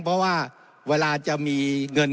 เพราะว่าเวลาจะมีเงิน